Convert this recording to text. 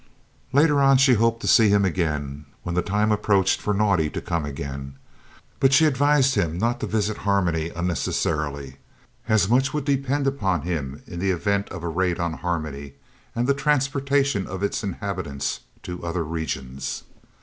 Later on she hoped to see him again when the time approached for Naudé to come again, but she advised him not to visit Harmony unnecessarily, as much would depend on him in the event of a raid on Harmony and the transportation of its inhabitants to other regions.